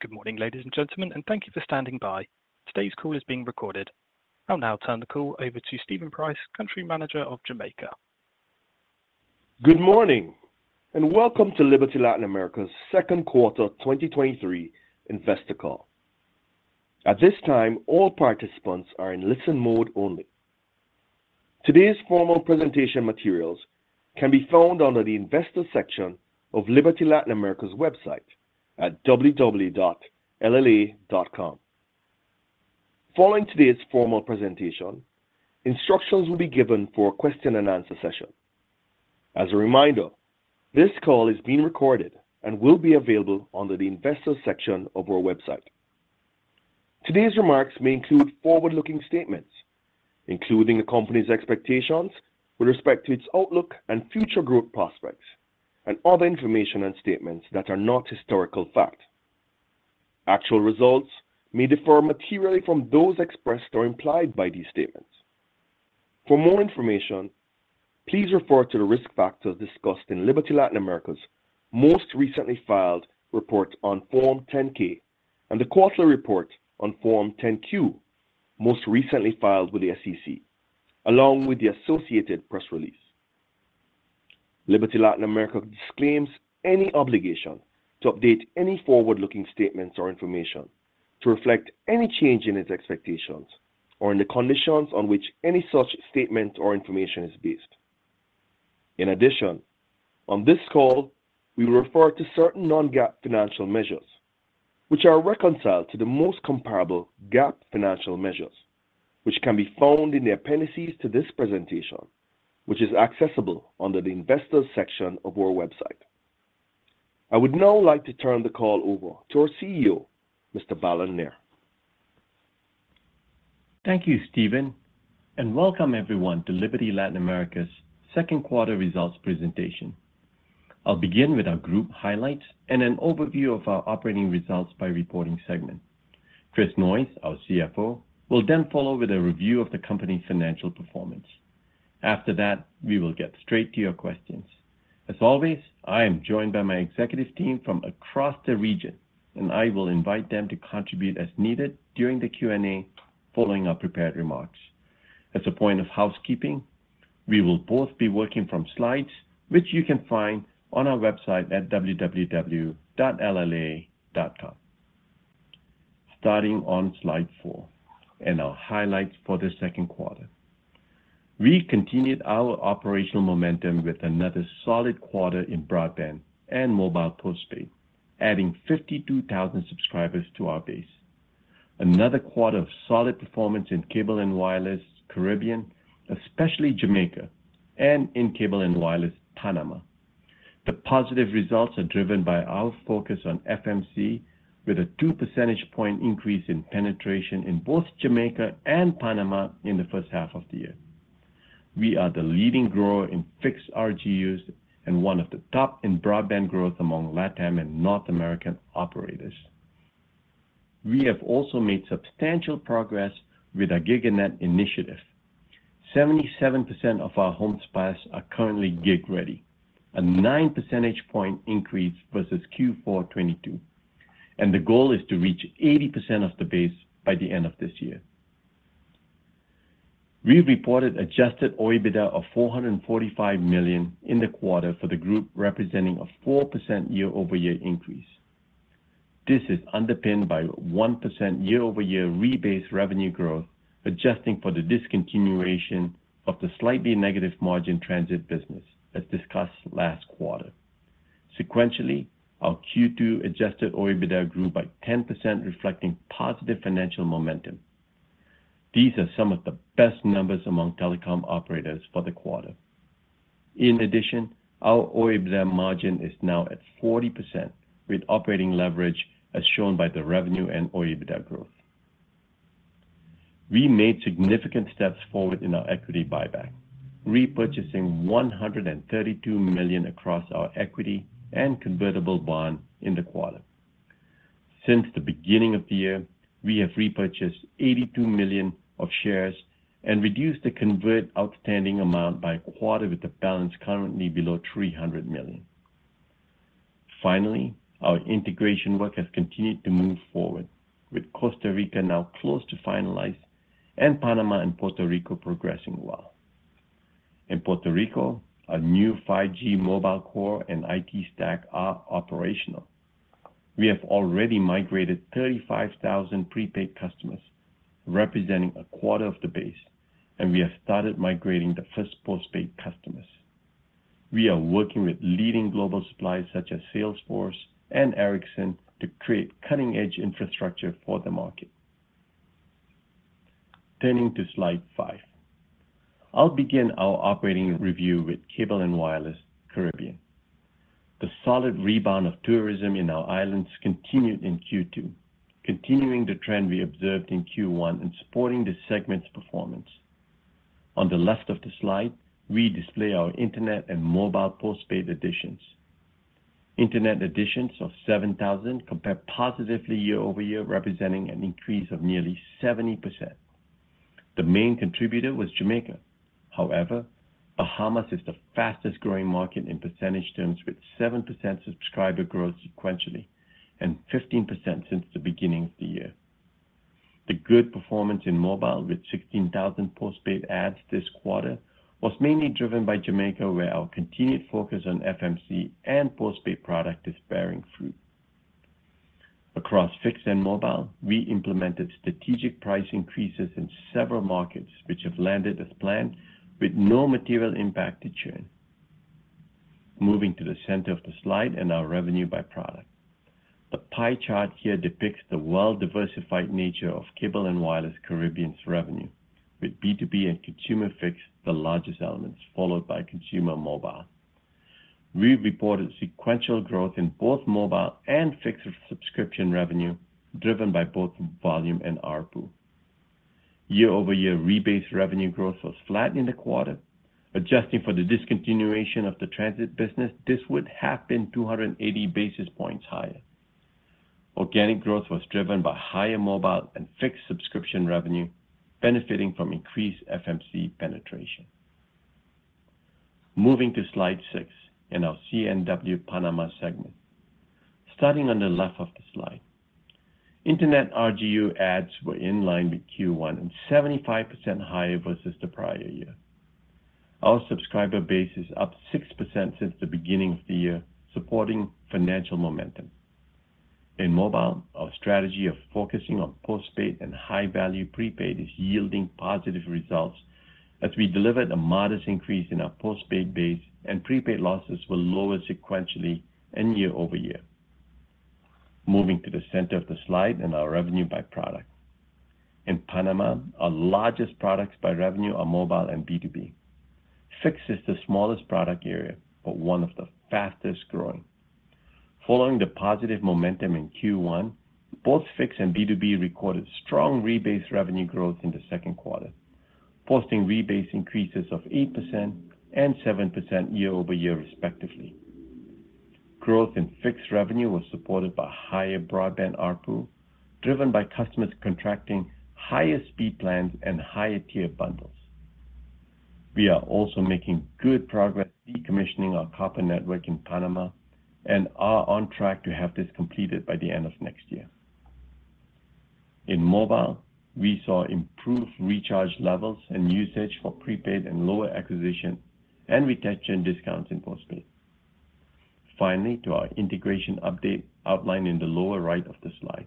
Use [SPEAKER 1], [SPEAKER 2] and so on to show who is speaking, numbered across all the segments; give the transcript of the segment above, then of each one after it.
[SPEAKER 1] Good morning, ladies and gentlemen, and thank you for standing by. Today's call is being recorded. I'll now turn the call over to Stephen Price, Country Manager of Jamaica.
[SPEAKER 2] Good morning, welcome to Liberty Latin America's second quarter 2023 investor call. At this time, all participants are in listen mode only. Today's formal presentation materials can be found under the Investors section of Liberty Latin America's website at www.lla.com. Following today's formal presentation, instructions will be given for a question and answer session. As a reminder, this call is being recorded and will be available under the Investors section of our website. Today's remarks may include forward-looking statements, including the Company's expectations with respect to its outlook and future growth prospects and other information and statements that are not historical fact. Actual results may differ materially from those expressed or implied by these statements. For more information, please refer to the risk factors discussed in Liberty Latin America's most recently filed report on Form 10-K and the quarterly report on Form 10-Q, most recently filed with the SEC, along with the associated press release. Liberty Latin America disclaims any obligation to update any forward-looking statements or information to reflect any change in its expectations or in the conditions on which any such statement or information is based. In addition, on this call, we refer to certain non-GAAP financial measures, which are reconciled to the most comparable GAAP financial measures, which can be found in the appendices to this presentation, which is accessible under the Investors section of our website. I would now like to turn the call over to our CEO, Mr. Balan Nair.
[SPEAKER 3] Thank you, Stephen, and welcome everyone to Liberty Latin America's second quarter results presentation. I'll begin with our group highlights and an overview of our operating results by reporting segment. Chris Noyes, our CFO, will then follow with a review of the company's financial performance. After that, we will get straight to your questions. As always, I am joined by my executive team from across the region, and I will invite them to contribute as needed during the Q&A following our prepared remarks. As a point of housekeeping, we will both be working from slides, which you can find on our website at www.lla.com. Starting on slide four and our highlights for the second quarter. We continued our operational momentum with another solid quarter in broadband and mobile postpaid, adding 52,000 subscribers to our base. Another quarter of solid performance in C&W Caribbean, especially Jamaica and in Cable & Wireless Panama. The positive results are driven by our focus on FMC with a two percentage point increase in penetration in both Jamaica and Panama in the first half of the year. We are the leading grower in fixed RGUs and one of the top in broadband growth among LatAm and North American operators. We have also made substantial progress with our GigaNet initiative. 77% of our home spots are currently gig-ready, a nine percentage point increase versus Q4 2022, and the goal is to reach 80% of the base by the end of this year. We reported Adjusted OIBDA of $445 million in the quarter for the group, representing a 4% year-over-year increase. This is underpinned by 1% year-over-year rebase revenue growth, adjusting for the discontinuation of the slightly negative margin transit business, as discussed last quarter. Sequentially, our Q2 Adjusted OIBDA grew by 10%, reflecting positive financial momentum. These are some of the best numbers among telecom operators for the quarter. In addition, our OIBDA margin is now at 40%, with operating leverage as shown by the revenue and OIBDA growth. We made significant steps forward in our equity buyback, repurchasing $132 million across our equity and convertible bond in the quarter. Since the beginning of the year, we have repurchased $82 million of shares and reduced the convert outstanding amount by a quarter, with the balance currently below $300 million. Finally, our integration work has continued to move forward, with Costa Rica now close to finalized and Panama and Puerto Rico progressing well. In Puerto Rico, a new 5G mobile core and IT stack are operational. We have already migrated 35,000 prepaid customers, representing a quarter of the base, and we have started migrating the first postpaid customers. We are working with leading global suppliers, such as Salesforce and Ericsson, to create cutting-edge infrastructure for the market. Turning to slide five. I'll begin our operating review with Cable and Wireless, Caribbean. The solid rebound of tourism in our islands continued in Q2, continuing the trend we observed in Q1 and supporting the segment's performance. On the left of the slide, we display our internet and mobile postpaid additions. Internet additions of 7,000 compared positively year-over-year, representing an increase of nearly 70%. The main contributor was Jamaica. Bahamas is the fastest-growing market in percentage terms, with 7% subscriber growth sequentially and 15% since the beginning of the year. The good performance in mobile, with 16,000 postpaid adds this quarter, was mainly driven by Jamaica, where our continued focus on FMC and postpaid product is bearing fruit. Across fixed and mobile, we implemented strategic price increases in several markets, which have landed as planned, with no material impact to churn. Moving to the center of the slide and our revenue by product. The pie chart here depicts the well-diversified nature of C&W Caribbean's revenue, with B2B and consumer fixed the largest elements, followed by consumer mobile. We've reported sequential growth in both mobile and fixed subscription revenue, driven by both volume and ARPU. Year-over-year rebase revenue growth was flat in the quarter. Adjusting for the discontinuation of the transit business, this would have been 280 basis points higher. Organic growth was driven by higher mobile and fixed subscription revenue, benefiting from increased FMC penetration. Moving to slide six, in our C&W Panama segment. Starting on the left of the slide, Internet RGU adds were in line with Q1 and 75% higher versus the prior year. Our subscriber base is up 6% since the beginning of the year, supporting financial momentum. In mobile, our strategy of focusing on postpaid and high-value prepaid is yielding positive results, as we delivered a modest increase in our postpaid base, and prepaid losses were lower sequentially and year-over-year. Moving to the center of the slide and our revenue by product. In Panama, our largest products by revenue are mobile and B2B. Fixed is the smallest product area, but one of the fastest-growing. Following the positive momentum in Q1, both fixed and B2B recorded strong rebase revenue growth in the second quarter, posting rebase increases of 8% and 7% year-over-year, respectively. Growth in fixed revenue was supported by higher broadband ARPU, driven by customers contracting higher speed plans and higher tier bundles. We are also making good progress decommissioning our copper network in Panama and are on track to have this completed by the end of next year. In mobile, we saw improved recharge levels and usage for prepaid and lower acquisition and retention discounts in postpaid. To our integration update outlined in the lower right of the slide.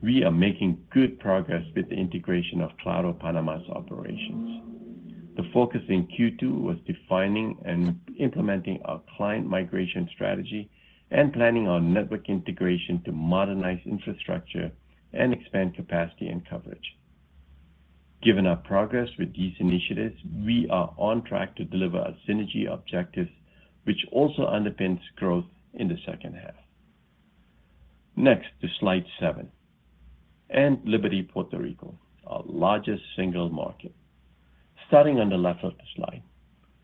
[SPEAKER 3] We are making good progress with the integration of Claro Panama's operations. The focus in Q2 was defining and implementing our client migration strategy and planning our network integration to modernize infrastructure and expand capacity and coverage. Given our progress with these initiatives, we are on track to deliver our synergy objectives, which also underpins growth in the second half. Next, to slide seven, and Liberty Puerto Rico, our largest single market. Starting on the left of the slide,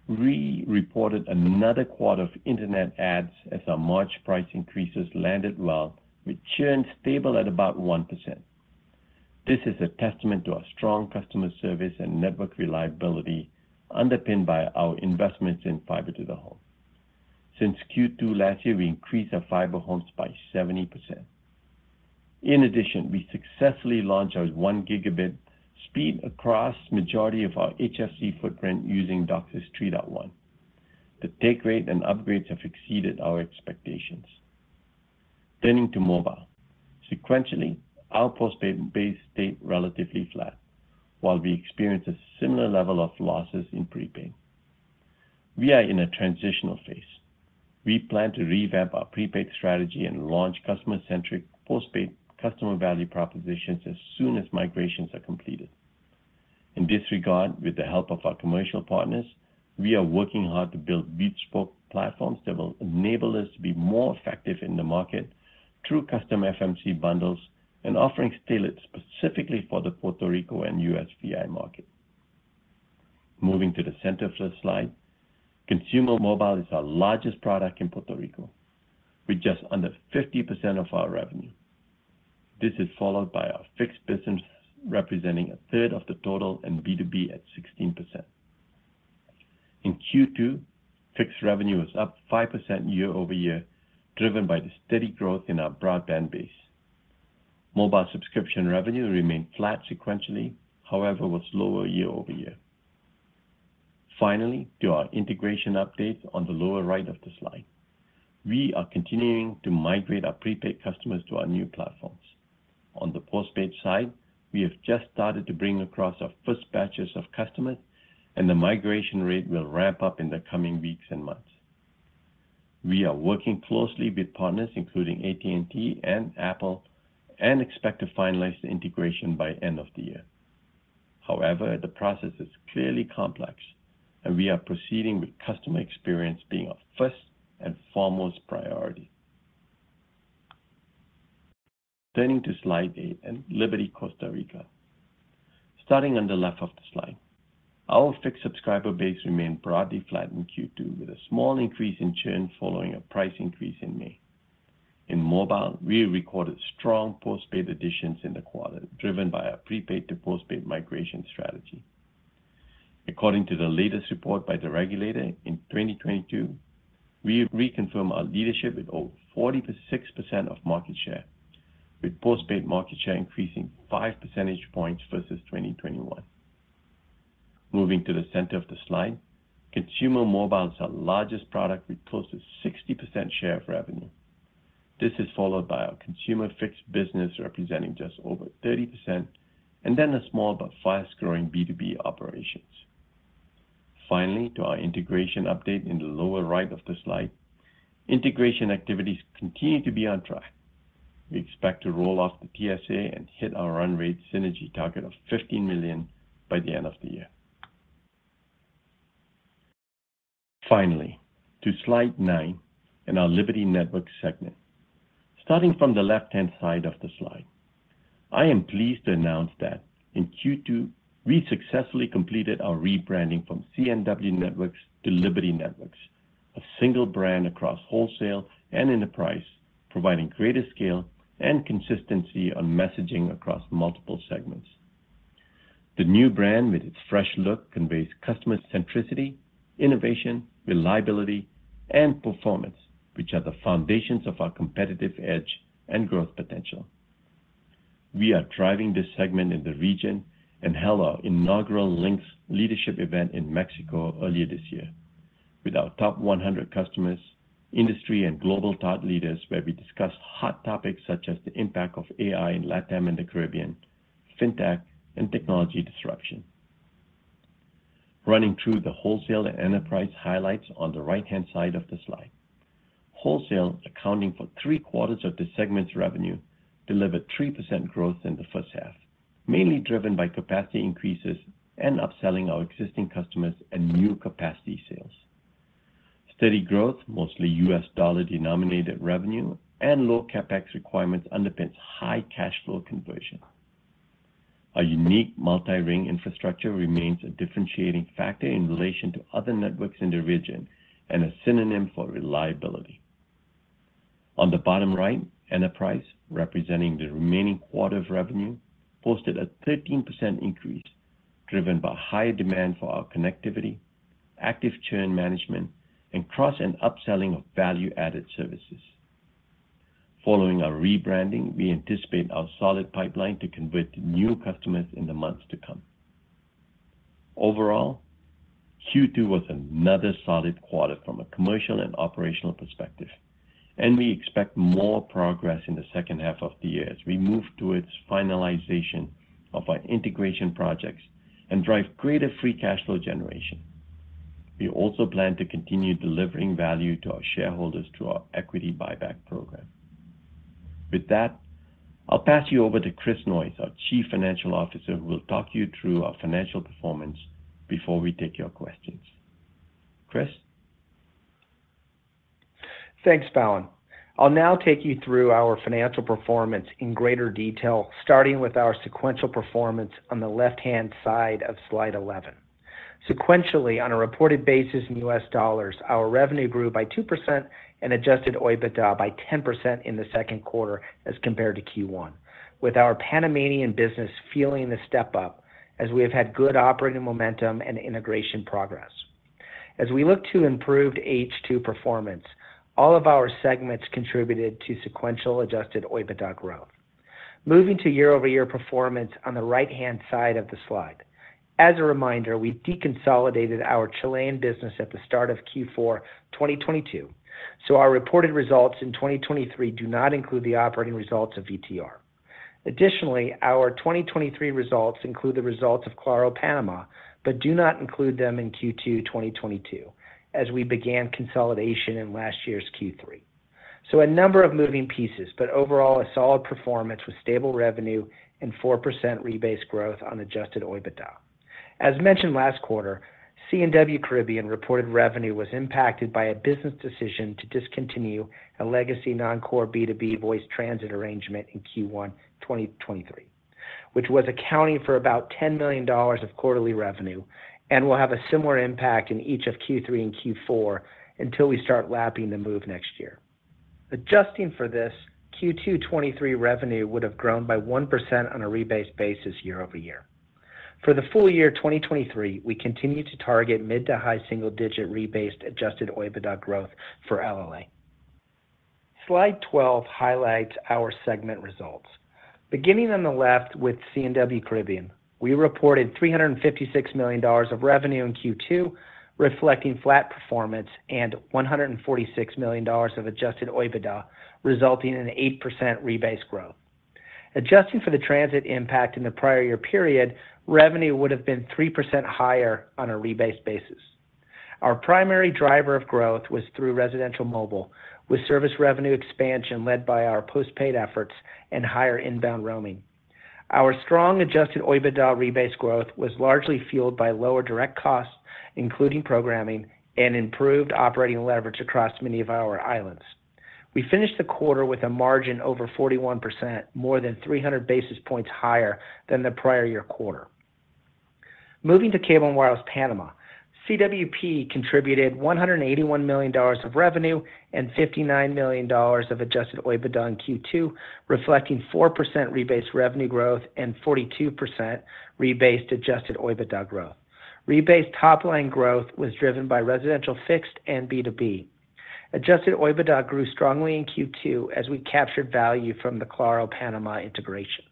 [SPEAKER 3] we reported another quarter of internet adds as our March price increases landed well, with churn stable at about 1%. This is a testament to our strong customer service and network reliability, underpinned by our investments in fiber-to-the-home. Since Q2 last year, we increased our fiber homes by 70%. In addition, we successfully launched our 1 Gbps across majority of our HFC footprint using DOCSIS 3.1. The take rate and upgrades have exceeded our expectations. Turning to mobile. Sequentially, our postpaid base stayed relatively flat, while we experienced a similar level of losses in prepaid. We are in a transitional phase. We plan to revamp our prepaid strategy and launch customer-centric postpaid customer value propositions as soon as migrations are completed. In this regard, with the help of our commercial partners, we are working hard to build bespoke platforms that will enable us to be more effective in the market through custom FMC bundles and offering tailored specifically for the Puerto Rico and USVI market. Moving to the center of the slide. Consumer mobile is our largest product in Puerto Rico, with just under 50% of our revenue. This is followed by our fixed business, representing a third of the total, and B2B at 16%. In Q2, fixed revenue was up 5% year-over-year, driven by the steady growth in our broadband base. Mobile subscription revenue remained flat sequentially, however, was lower year-over-year. Finally, to our integration update on the lower right of the slide. We are continuing to migrate our prepaid customers to our new platforms. On the postpaid side, we have just started to bring across our first batches of customers, and the migration rate will ramp up in the coming weeks and months. We are working closely with partners, including AT&T and Apple, and expect to finalize the integration by end of the year. However, the process is clearly complex, and we are proceeding with customer experience being our first and foremost priority. Turning to slide eight and Liberty Costa Rica. Starting on the left of the slide. Our fixed subscriber base remained broadly flat in Q2, with a small increase in churn following a price increase in May. In mobile, we recorded strong postpaid additions in the quarter, driven by our prepaid to postpaid migration strategy. According to the latest report by the regulator, in 2022, we reconfirmed our leadership with over 46% of market share, with postpaid market share increasing five percentage points versus 2021. Moving to the center of the slide, consumer mobile is our largest product, with close to 60% share of revenue. This is followed by our consumer fixed business, representing just over 30%, then a small but fast-growing B2B operations. To our integration update in the lower right of the slide. Integration activities continue to be on track. We expect to roll off the PSA and hit our run rate synergy target of $15 million by the end of the year. To slide nine and our Liberty Networks segment. Starting from the left-hand side of the slide, I am pleased to announce that in Q2, we successfully completed our rebranding from C&W Networks to Liberty Networks, a single brand across wholesale and enterprise, providing greater scale and consistency on messaging across multiple segments. The new brand, with its fresh look, conveys customer centricity, innovation, reliability, and performance, which are the foundations of our competitive edge and growth potential. We are driving this segment in the region and held our inaugural LINKS leadership event in Mexico earlier this year with our top 100 customers, industry and global thought leaders, where we discussed hot topics such as the impact of AI in Latin and the Caribbean, Fintech, and technology disruption. Running through the wholesale and enterprise highlights on the right-hand side of the slide. Wholesale, accounting for three-quarters of the segment's revenue, delivered 3% growth in the first half, mainly driven by capacity increases and upselling our existing customers and new capacity sales. Steady growth, mostly U.S. Dollar-denominated revenue and low CapEx requirements underpins high cash flow conversion. Our unique multi-ring infrastructure remains a differentiating factor in relation to other networks in the region and a synonym for reliability. On the bottom right, enterprise, representing the remaining quarter of revenue, posted a 13% increase, driven by higher demand for our connectivity, active churn management, and cross and upselling of value-added services. Following our rebranding, we anticipate our solid pipeline to convert new customers in the months to come. Overall, Q2 was another solid quarter from a commercial and operational perspective. We expect more progress in the second half of the year as we move towards finalization of our integration projects and drive greater free cash flow generation. We also plan to continue delivering value to our shareholders through our equity buyback program. With that, I'll pass you over to Chris Noyes, our Chief Financial Officer, who will talk you through our financial performance before we take your questions. Chris?
[SPEAKER 4] Thanks, Balan. I'll now take you through our financial performance in greater detail, starting with our sequential performance on the left-hand side of slide 11. Sequentially, on a reported basis in US dollars, our revenue grew by 2% and Adjusted OIBDA by 10% in the second quarter as compared to Q1, with our Panamanian business feeling the step up as we have had good operating momentum and integration progress. As we look to improved H2 performance, all of our segments contributed to sequential Adjusted OIBDA growth. Moving to year-over-year performance on the right-hand side of the slide. As a reminder, we deconsolidated our Chilean business at the start of Q4 2022, so our reported results in 2023 do not include the operating results of VTR. Additionally, our 2023 results include the results of Claro Panama, but do not include them in Q2 2022, as we began consolidation in last year's Q3. A number of moving pieces, but overall, a solid performance with stable revenue and 4% rebased growth on adjusted OIBDA. As mentioned last quarter, C&W Caribbean reported revenue was impacted by a business decision to discontinue a legacy non-core B2B voice transit arrangement in Q1 2023, which was accounting for about $10 million of quarterly revenue and will have a similar impact in each of Q3 and Q4 until we start lapping the move next year. Adjusting for this, Q2 2023 revenue would have grown by 1% on a rebased basis year-over-year. For the full year 2023, we continue to target mid to high single digit rebased adjusted OIBDA growth for LLA. Slide 12 highlights our segment results. Beginning on the left with C&W Caribbean, we reported $356 million of revenue in Q2, reflecting flat performance and $146 million of Adjusted OIBDA, resulting in an 8% rebase growth. Adjusting for the transit impact in the prior year period, revenue would have been 3% higher on a rebase basis. Our primary driver of growth was through residential mobile, with service revenue expansion led by our postpaid efforts and higher inbound roaming. Our strong Adjusted OIBDA rebase growth was largely fueled by lower direct costs, including programming and improved operating leverage across many of our islands. We finished the quarter with a margin over 41%, more than 300 basis points higher than the prior year quarter. Moving to Cable & Wireless Panama, CWP contributed $181 million of revenue and $59 million of Adjusted OIBDA in Q2, reflecting 4% rebased revenue growth and 42% rebased Adjusted OIBDA growth. Rebased top line growth was driven by residential, fixed, and B2B. Adjusted OIBDA grew strongly in Q2 as we captured value from the Claro Panama integration.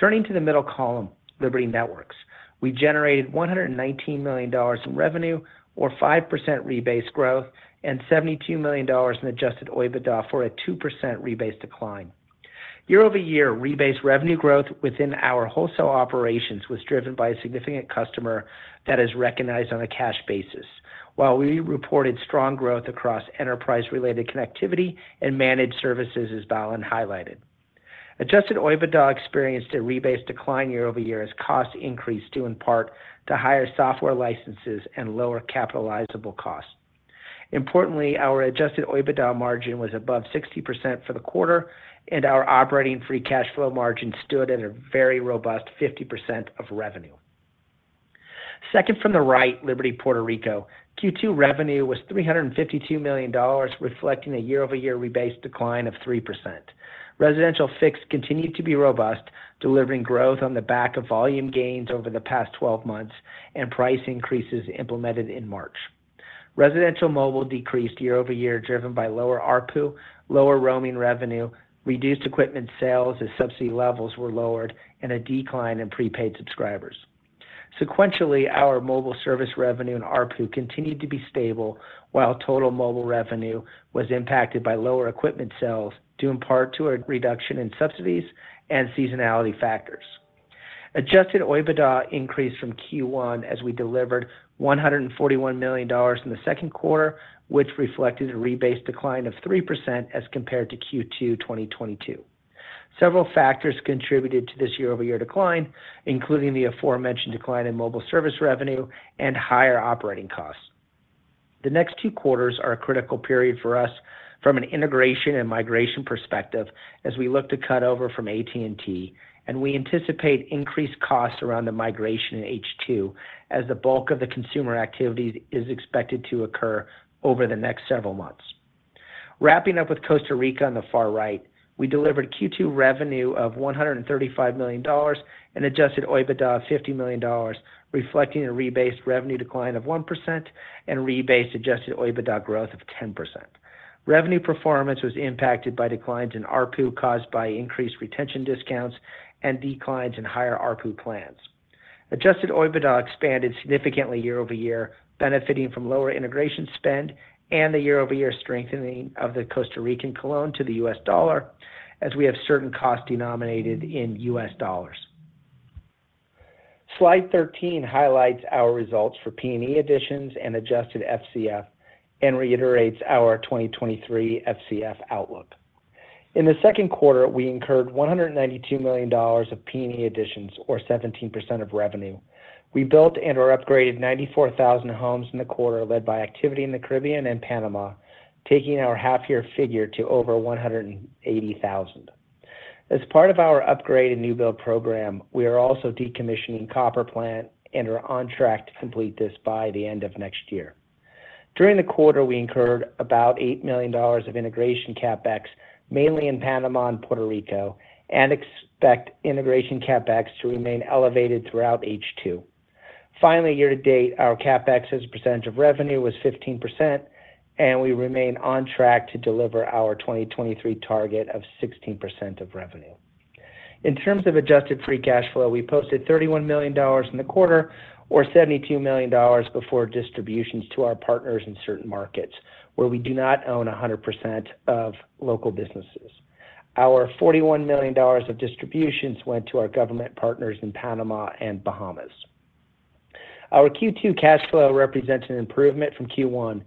[SPEAKER 4] Turning to the middle column, Liberty Networks. We generated $119 million in revenue, or 5% rebased growth, and $72 million in Adjusted OIBDA for a 2% rebased decline. Year-over-year, rebased revenue growth within our wholesale operations was driven by a significant customer that is recognized on a cash basis, while we reported strong growth across enterprise-related connectivity and managed services, as Balan highlighted. Adjusted OIBDA experienced a rebased decline year-over-year as costs increased, due in part to higher software licenses and lower capitalizable costs. Importantly, our Adjusted OIBDA margin was above 60% for the quarter, and our operating free cash flow margin stood at a very robust 50% of revenue. Second from the right, Liberty Puerto Rico. Q2 revenue was $352 million, reflecting a year-over-year rebased decline of 3%. Residential fixed continued to be robust, delivering growth on the back of volume gains over the past 12 months and price increases implemented in March. Residential mobile decreased year-over-year, driven by lower ARPU, lower roaming revenue, reduced equipment sales as subsidy levels were lowered, and a decline in prepaid subscribers. Sequentially, our mobile service revenue and ARPU continued to be stable, while total mobile revenue was impacted by lower equipment sales, due in part to a reduction in subsidies and seasonality factors. Adjusted OIBDA increased from Q1 as we delivered $141 million in the second quarter, which reflected a rebased decline of 3% as compared to Q2 2022. Several factors contributed to this year-over-year decline, including the aforementioned decline in mobile service revenue and higher operating costs. The next two quarters are a critical period for us from an integration and migration perspective as we look to cut over from AT&T. We anticipate increased costs around the migration in H2 as the bulk of the consumer activity is expected to occur over the next several months. Wrapping up with Costa Rica on the far right, we delivered Q2 revenue of $135 million and Adjusted OIBDA of $50 million, reflecting a rebased revenue decline of 1% and rebased Adjusted OIBDA growth of 10%. Revenue performance was impacted by declines in ARPU, caused by increased retention discounts and declines in higher ARPU plans. Adjusted OIBDA expanded significantly year-over-year, benefiting from lower integration spend and the year-over-year strengthening of the Costa Rican colon to the U.S. Dollar, as we have certain costs denominated in U.S. Dollars. Slide 13 highlights our results for P&E additions and Adjusted FCF, and reiterates our 2023 FCF outlook. In the second quarter, we incurred $192 million of P&E additions, or 17% of revenue. We built and/or upgraded 94,000 homes in the quarter, led by activity in the Caribbean and Panama, taking our half year figure to over 180,000. As part of our upgrade and new build program, we are also decommissioning copper plant and are on track to complete this by the end of next year. During the quarter, we incurred about $8 million of integration CapEx, mainly in Panama and Puerto Rico, and expect integration CapEx to remain elevated throughout H2. Year to date, our CapEx as a percentage of revenue was 15%, and we remain on track to deliver our 2023 target of 16% of revenue. In terms of Adjusted FCF, we posted $31 million in the quarter, or $72 million before distributions to our partners in certain markets where we do not own 100% of local businesses. Our $41 million of distributions went to our government partners in Panama and Bahamas. Our Q2 cash flow represents an improvement from Q1,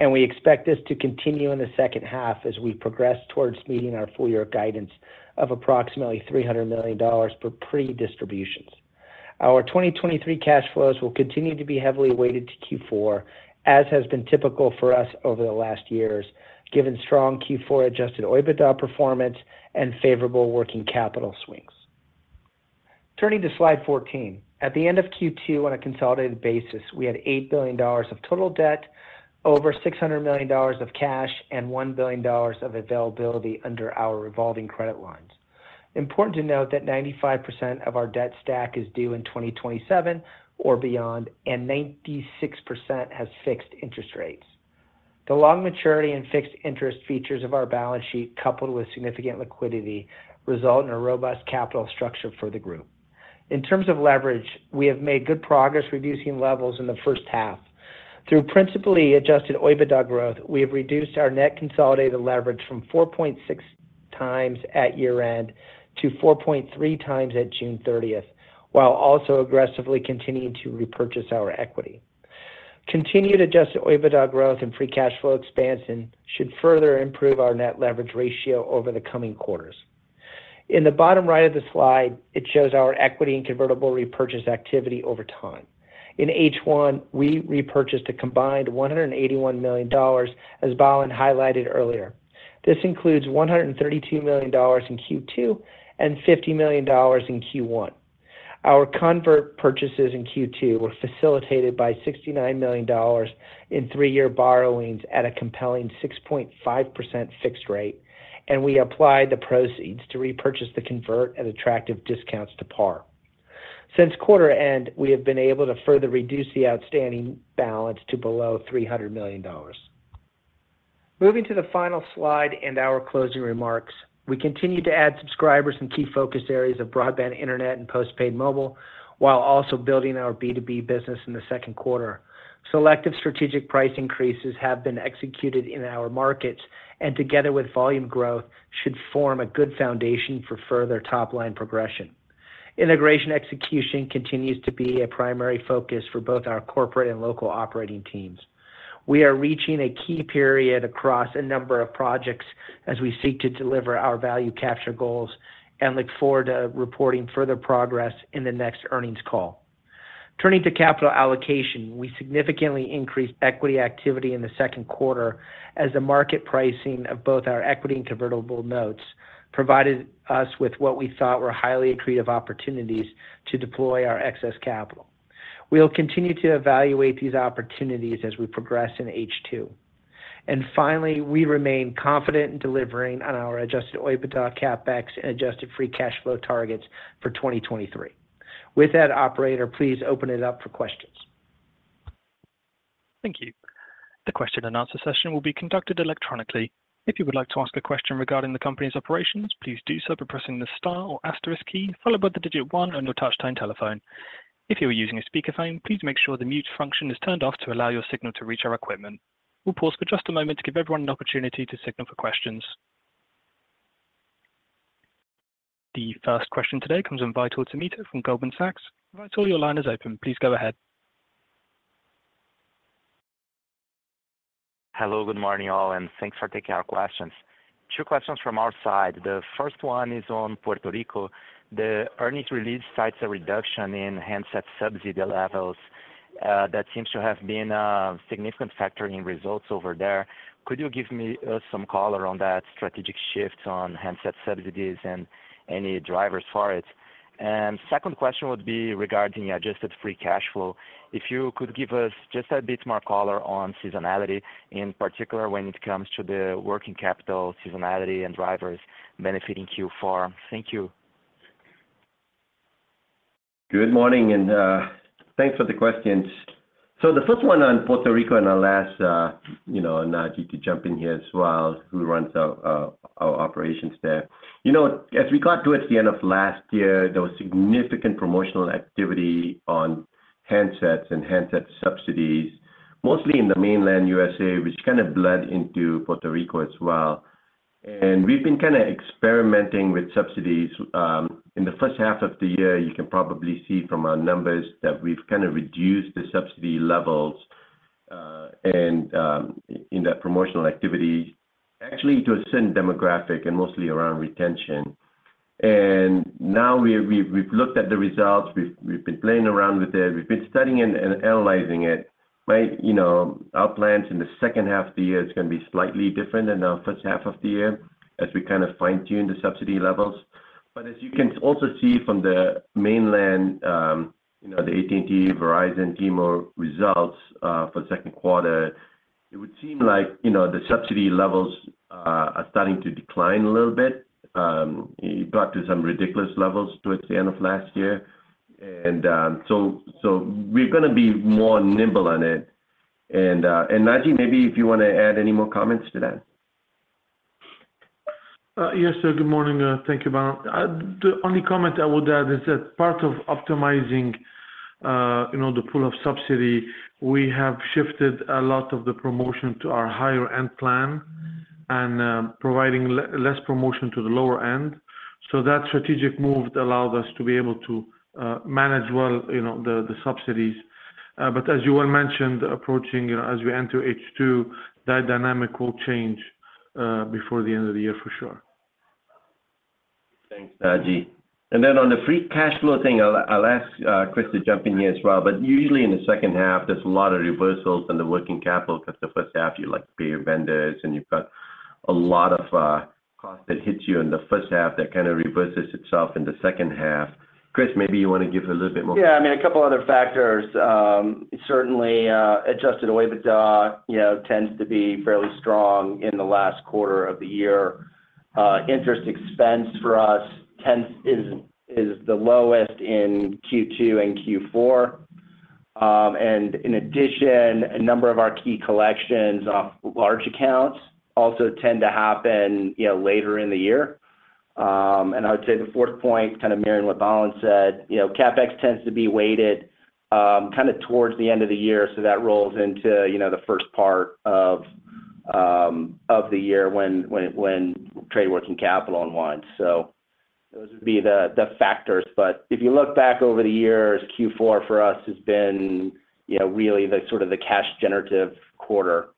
[SPEAKER 4] and we expect this to continue in the second half as we progress towards meeting our full year guidance of approximately $300 million for pre-distributions. Our 2023 cash flows will continue to be heavily weighted to Q4, as has been typical for us over the last years, given strong Q4 Adjusted OIBDA performance and favorable working capital swings. Turning to slide 14. At the end of Q2, on a consolidated basis, we had $8 billion of total debt, over $600 million of cash, and $1 billion of availability under our revolving credit lines. Important to note that 95% of our debt stack is due in 2027 or beyond, and 96% has fixed interest rates. The long maturity and fixed interest features of our balance sheet, coupled with significant liquidity, result in a robust capital structure for the group. In terms of leverage, we have made good progress reducing levels in the first half. Through principally Adjusted OIBDA growth, we have reduced our net consolidated leverage from 4.6x at year-end to 4.3x at June 30th, while also aggressively continuing to repurchase our equity. Continued Adjusted OIBDA growth and Free Cash Flow expansion should further improve our net leverage ratio over the coming quarters. In the bottom right of the slide, it shows our equity and convertible repurchase activity over time. In H1, we repurchased a combined $181 million, as Balan highlighted earlier. This includes $132 million in Q2 and $50 million in Q1. Our convert purchases in Q2 were facilitated by $69 million in three-year borrowings at a compelling 6.5% fixed rate, and we applied the proceeds to repurchase the convert at attractive discounts to par. Since quarter end, we have been able to further reduce the outstanding balance to below $300 million. Moving to the final slide and our closing remarks, we continued to add subscribers in key focus areas of broadband, internet, and postpaid mobile, while also building our B2B business in the second quarter. Selective strategic price increases have been executed in our markets, and together with volume growth, should form a good foundation for further top-line progression. Integration execution continues to be a primary focus for both our corporate and local operating teams. We are reaching a key period across a number of projects as we seek to deliver our value capture goals and look forward to reporting further progress in the next earnings call. Turning to capital allocation, we significantly increased equity activity in the second quarter as the market pricing of both our equity and convertible notes provided us with what we thought were highly accretive opportunities to deploy our excess capital. We'll continue to evaluate these opportunities as we progress in H2. Finally, we remain confident in delivering on our Adjusted OIBDA, CapEx, and Adjusted Free Cash Flow targets for 2023. With that, operator, please open it up for questions.
[SPEAKER 1] Thank you. The question and answer session will be conducted electronically. If you would like to ask a question regarding the company's operations, please do so by pressing the star or asterisk key, followed by the digit one on your touchtone telephone. If you are using a speakerphone, please make sure the mute function is turned off to allow your signal to reach our equipment. We'll pause for just a moment to give everyone an opportunity to signal for questions. The first question today comes from Vitor Tomita from Goldman Sachs. Vitor, your line is open. Please go ahead.
[SPEAKER 5] Hello, good morning, all, and thanks for taking our questions. Two questions from our side. The first one is on Puerto Rico. The earnings release cites a reduction in handset subsidy levels, that seems to have been a significant factor in results over there. Could you give me some color on that strategic shift on handset subsidies and any drivers for it? Second question would be regarding Adjusted Free Cash Flow. If you could give us just a bit more color on seasonality, in particular, when it comes to the working capital seasonality and drivers benefiting Q4. Thank you.
[SPEAKER 3] Good morning, and thanks for the questions. The first one on Puerto Rico, and I'll ask, you know, Naji to jump in here as well, who runs our operations there. You know, as we got towards the end of last year, there was significant promotional activity on handsets and handset subsidies, mostly in the mainland U.S.A., which kind of bled into Puerto Rico as well. We've been kind of experimenting with subsidies. In the first half of the year, you can probably see from our numbers that we've kind of reduced the subsidy levels, and in that promotional activity, actually, to a certain demographic and mostly around retention. Now we, we've, we've looked at the results. We've, we've been playing around with it. We've been studying and analyzing it. You know, our plans in the second half of the year is going to be slightly different than the first half of the year as we kind of fine-tune the subsidy levels. As you can also see from the mainland, you know, the AT&T, Verizon, T-Mobile results for the second quarter, it would seem like, you know, the subsidy levels are starting to decline a little bit, it got to some ridiculous levels towards the end of last year. So we're going to be more nimble on it. And, Naji, maybe if you want to add any more comments to that?
[SPEAKER 6] Yes, sir. Good morning, thank you, Balan. The only comment I would add is that part of optimizing, you know, the pool of subsidy, we have shifted a lot of the promotion to our higher-end plan and providing le- less promotion to the lower end. That strategic move allowed us to be able to manage well, you know, the, the subsidies. As you well mentioned, approaching, as we enter H2, that dynamic will change before the end of the year, for sure.
[SPEAKER 3] Thanks, Naji. Then on the free cash flow thing, I'll, I'll ask Chris to jump in here as well. Usually in the second half, there's a lot of reversals in the working capital, because the first half you, like, pay your vendors, and you've got a lot of cost that hits you in the first half that kind of reverses itself in the second half. Chris, maybe you want to give a little bit more...
[SPEAKER 4] Yeah, I mean, a couple other factors. Certainly, Adjusted OIBDA, you know, tends to be fairly strong in the last quarter of the year. Interest expense for us is, is the lowest in Q2 and Q4. In addition, a number of our key collections of large accounts also tend to happen, you know, later in the year. I would say the fourth point, kind of mirroring what Balan said, you know, CapEx tends to be weighted, kind of towards the end of the year, so that rolls into, you know, the first part of the year when trade works in capital unwind. Those would be the factors. If you look back over the years, Q4 for us has been, you know, really the sort of the cash generative quarter.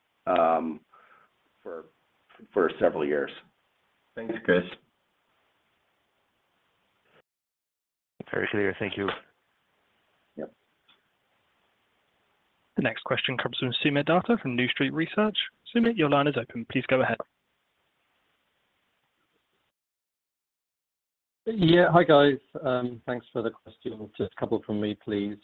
[SPEAKER 4] for, for several years.
[SPEAKER 3] Thanks, Chris.
[SPEAKER 5] Very clear. Thank you.
[SPEAKER 3] Yep.
[SPEAKER 1] The next question comes from Soomitt Datta from New Street Research. Soomitt, your line is open. Please go ahead.
[SPEAKER 7] Yeah. Hi, guys, thanks for the question. Just a couple from me, please.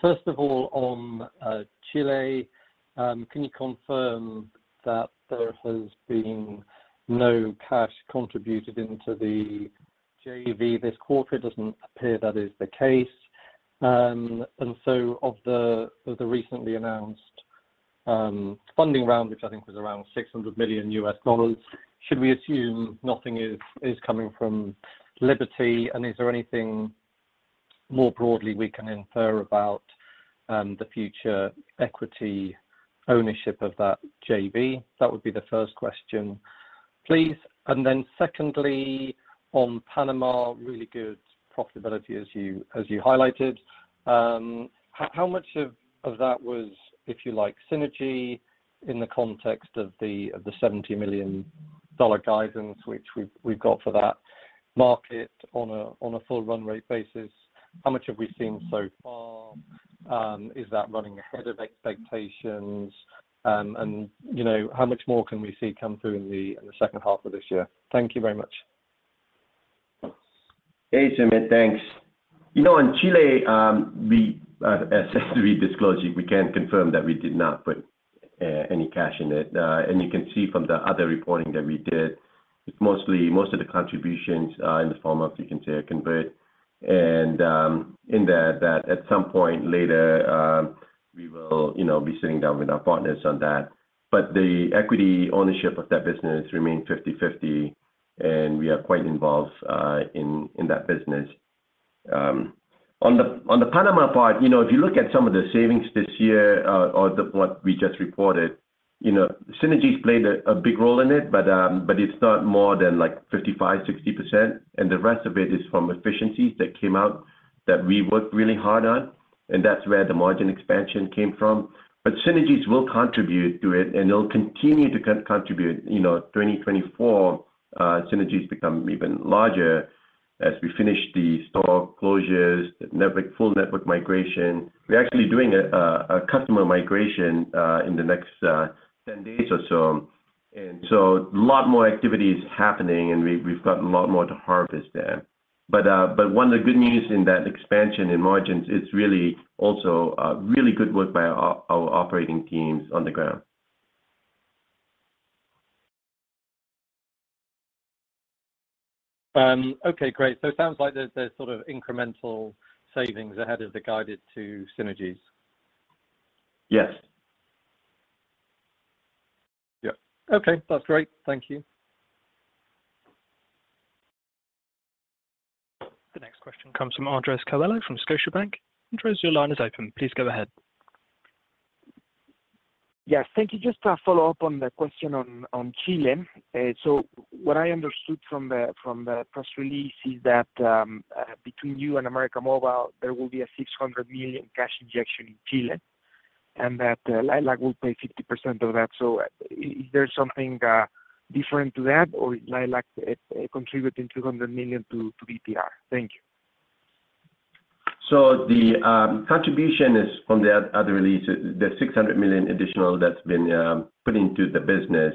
[SPEAKER 7] First of all, on Chile, can you confirm that there has been no cash contributed into the JV this quarter? It doesn't appear that is the case. And so of the, of the recently announced, funding round, which I think was around $600 million, should we assume nothing is, is coming from Liberty? And is there anything more broadly we can infer about, the future equity ownership of that JV? That would be the first question, please. And then secondly, on Panama, really good profitability as you, as you highlighted. How, how much of, of that was, if you like, synergy in the context of the, of the $70 million guidance, which we've, we've got for that market on a, on a full run rate basis? How much have we seen so far? Is that running ahead of expectations? You know, how much more can we see come through in the, in the second half of this year? Thank you very much.
[SPEAKER 3] Hey, Soomitt, thanks. You know, in Chile, we, as we disclosed, we can confirm that we did not put any cash in it. You can see from the other reporting that we did, most of the contributions are in the form of, you can say, a convert. In that, at some point later, we will, you know, be sitting down with our partners on that. The equity ownership of that business remains 50/50, and we are quite involved in that business. On the Panama part, you know, if you look at some of the savings this year, or the, what we just reported, you know, synergies played a, a big role in it, but it's not more than 55%, 60%, and the rest of it is from efficiencies that came out that we worked really hard on, and that's where the margin expansion came from. Synergies will contribute to it, and they'll continue to contribute, you know, 2024, synergies become even larger as we finish the store closures, full network migration. We're actually doing a customer migration in the next 10 days or so. So a lot more activity is happening, and we've, we've got a lot more to harvest there. But one of the good news in that expansion in margins is really also, really good work by our, our operating teams on the ground.
[SPEAKER 7] Okay, great. It sounds like there's, there's sort of incremental savings ahead of the guided to synergies.
[SPEAKER 3] Yes. Yeah.
[SPEAKER 7] Okay. That's great. Thank you.
[SPEAKER 1] The next question comes from Andres Coello from Scotiabank. Andres, your line is open. Please go ahead.
[SPEAKER 8] Yes, thank you. Just to follow up on the question on, on Chile. What I understood from the press release is that, between you and América Móvil, there will be a $600 million cash injection in Chile, and that Lilac will pay 50% of that. Is there something different to that, or is Lilac contributing $200 million to VTR? Thank you.
[SPEAKER 3] The contribution is from the other release, the $600 million additional that's been put into the business.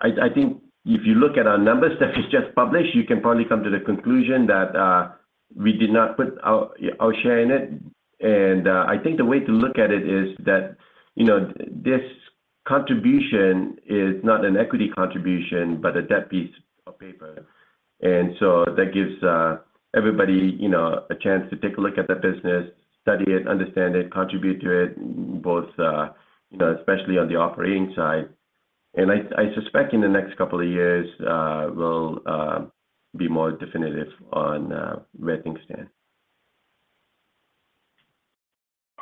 [SPEAKER 3] I, I think if you look at our numbers that we just published, you can probably come to the conclusion that we did not put our, our share in it. I think the way to look at it is that, you know, this contribution is not an equity contribution, but a debt piece of paper. That gives everybody, you know, a chance to take a look at the business, study it, understand it, contribute to it, both, you know, especially on the operating side. I, I suspect in the next couple of years, we'll be more definitive on where things stand.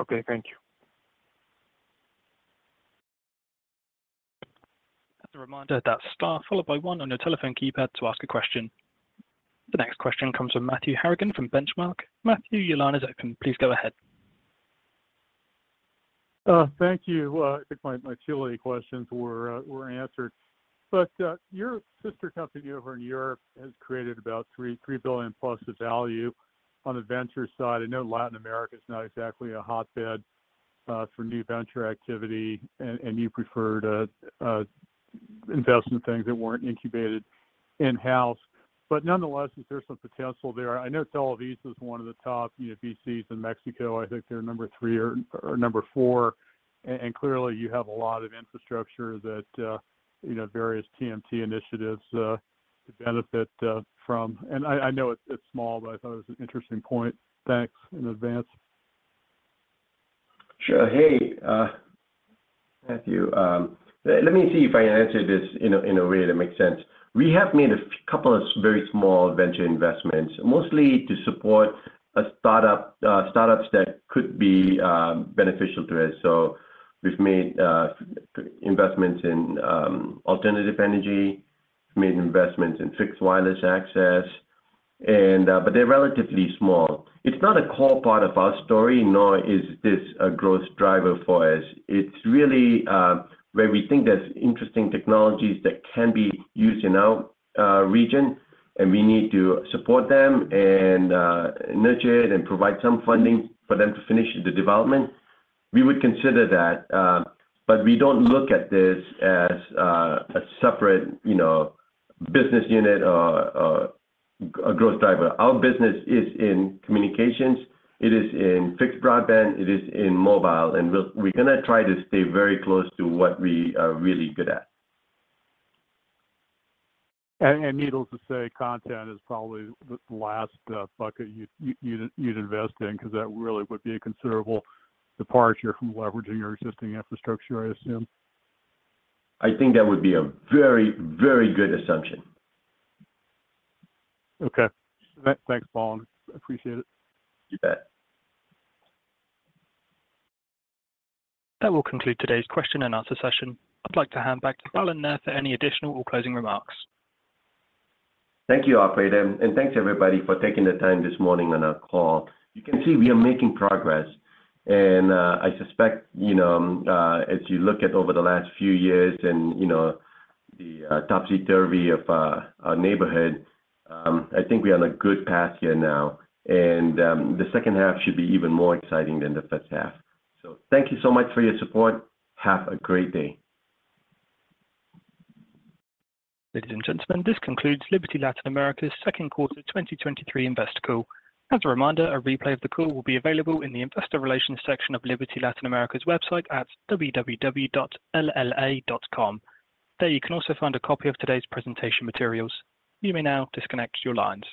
[SPEAKER 8] Okay, thank you.
[SPEAKER 1] As a reminder, that's Star, followed by one on your telephone keypad to ask a question. The next question comes from Matthew Harrigan from Benchmark. Matthew, your line is open. Please go ahead.
[SPEAKER 9] Thank you. I think my Chile questions were answered. Your sister company over in Europe has created about $3 billion+ of value on the venture side. I know Latin America is not exactly a hotbed for new venture activity, and you prefer to invest in things that weren't incubated in-house. Nonetheless, there's some potential there. I know Televisa is one of the top, you know, VCs in Mexico. I think they're number three or number four, and clearly, you have a lot of infrastructure that, you know, various TMT initiatives benefit from. I, I know it's, it's small, but I thought it was an interesting point. Thanks in advance.
[SPEAKER 3] Sure. Hey, Matthew, let me see if I can answer this in a way that makes sense. We have made a couple of very small venture investments, mostly to support a startup, startups that could be beneficial to us. We've made investments in alternative energy, made investments in fixed wireless access. They're relatively small. It's not a core part of our story, nor is this a growth driver for us. It's really where we think there's interesting technologies that can be used in our region, and we need to support them and nurture it and provide some funding for them to finish the development. We would consider that, we don't look at this as a separate, you know, business unit or, or a growth driver. Our business is in communications, it is in fixed broadband, it is in mobile, and we're gonna try to stay very close to what we are really good at.
[SPEAKER 9] And needless to say, content is probably the, the last bucket you'd, you'd, you'd invest in, 'cause that really would be a considerable departure from leveraging your existing infrastructure, I assume?
[SPEAKER 3] I think that would be a very, very good assumption.
[SPEAKER 9] Okay. Thank, thanks, Balan. I appreciate it.
[SPEAKER 3] You bet.
[SPEAKER 1] That will conclude today's question and answer session. I'd like to hand back to Balan Nair for any additional or closing remarks.
[SPEAKER 3] Thank you, operator, and thanks everybody for taking the time this morning on our call. You can see we are making progress, and I suspect, you know, as you look at over the last few years and, you know, the topsy-turvy of our neighborhood, I think we are on a good path here now. The second half should be even more exciting than the first half. Thank you so much for your support. Have a great day.
[SPEAKER 1] Ladies and gentlemen, this concludes Liberty Latin America's second quarter, 2023 investor call. As a reminder, a replay of the call will be available in the investor relations section of Liberty Latin America's website at www.lla.com. There, you can also find a copy of today's presentation materials. You may now disconnect your lines.